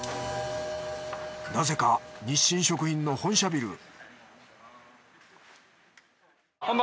なぜか日清食品の本社ビル本番。